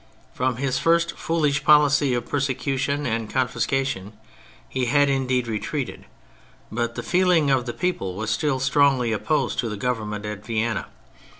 From his first foolish policy of persecution and confiscation he had indeed retreated, but the feeling of the people was still strongly opposed to the Government at Vienna.